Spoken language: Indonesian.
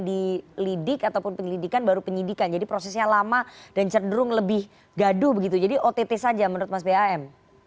dilidik ataupun penyelidikan baru penyidikan jadi prosesnya lama dan cenderung lebih gaduh begitu jadi ott saja menurut mas bam